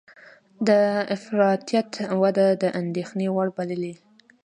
د افراطیت وده د اندېښنې وړ بللې